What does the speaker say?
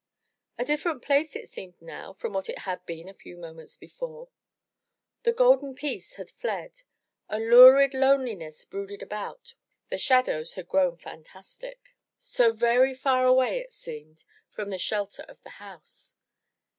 A different place it seemed now from what it had been a few moments before. The golden peace had fled; a lurid loneliness brooded about, the shadows had grown fantastic. So far, so very far away it seemed from the shelter of the house.